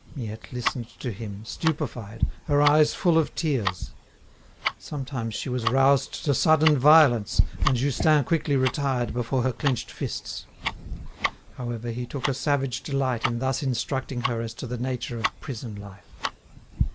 Miette listened to him, stupefied, her eyes full of tears. Sometimes she was roused to sudden violence, and Justin quickly retired before her clenched fists. However, he took a savage delight in thus instructing her as to the nature of prison life.